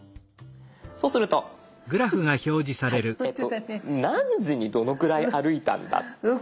そうするとはい何時にどのぐらい歩いたんだ。